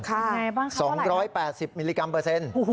ค่ะบ้างคะว่าไหนครับค่ะ๒๘๐มิลลิกรัมเปอร์เซ็นต์